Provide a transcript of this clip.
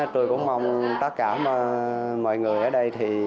tôi cũng mong tất cả mọi người